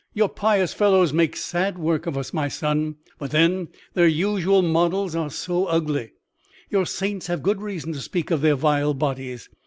Your pious fellows make sad work of us, my son. But then their usual models are so ugly; your saints have good reason to speak of their vile bodies.